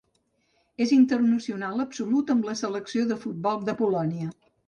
És internacional absolut amb la Selecció de futbol de Polònia.